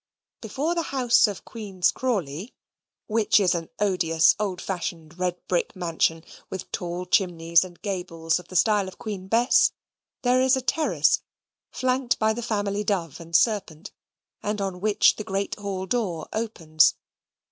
Haw, haw!" Before the house of Queen's Crawley, which is an odious old fashioned red brick mansion, with tall chimneys and gables of the style of Queen Bess, there is a terrace flanked by the family dove and serpent, and on which the great hall door opens.